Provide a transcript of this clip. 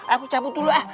aku cabut dulu ah